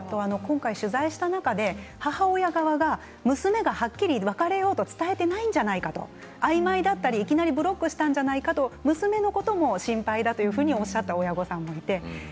母親側が娘がはっきり別れると伝えていないんじゃないかとあいまいだったりいきなりブロックしたんじゃないかと娘のことも心配だということもおっしゃった親御さんもいました。